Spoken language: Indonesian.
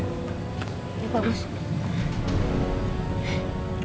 iya pak bos